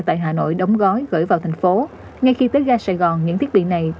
tại hà nội đóng gói gửi vào thành phố ngay khi tới ga sài gòn những thiết bị này